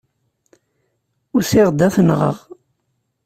Usiɣ-d ad t-nɣeɣ.